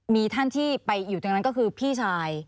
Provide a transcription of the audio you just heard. มีท่านที่ไปอยู่ตรงนั้นก็คือพี่ชาย